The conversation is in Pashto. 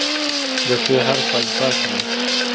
د "ف" حرف په الفبا کې دی.